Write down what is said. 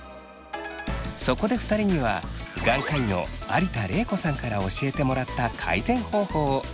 そこで２人には眼科医の有田玲子さんから教えてもらった改善方法を試してもらいました。